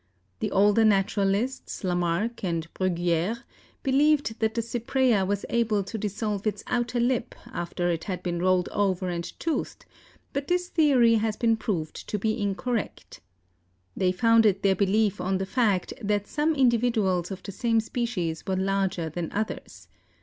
The older naturalists, Lamarck and Bruguiere, believed that the Cypraea was able to dissolve its outer lip after it had been rolled over and toothed, but this theory has been proved to be incorrect. They founded their belief on the fact that some individuals of the same species were larger than others.